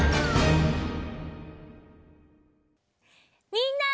みんな！